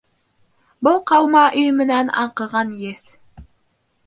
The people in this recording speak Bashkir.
Был ҡалма өйөмөнән аңҡыған еҫ...